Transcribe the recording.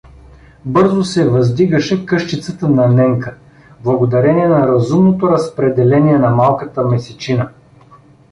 Бързо се въздигаше къщицата на Ненка, благодарение на разумното разпределение на малката месечина.